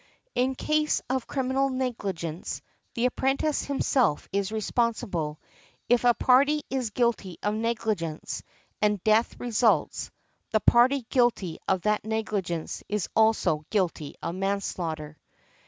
In a case of criminal negligence, the apprentice himself is responsible; if a party is guilty of negligence, and death results, the party guilty of that negligence is also guilty of manslaughter.